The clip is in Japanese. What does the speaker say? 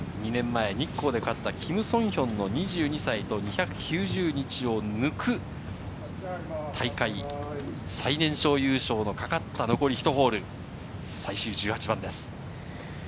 ２年前、日光で勝ったキム・ソンヒョンの２２歳と２９０日を抜く大会最年少優勝のかかった、残り１ホール、最終１８番です。